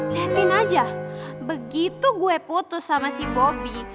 liatin aja begitu gue putus sama si bobby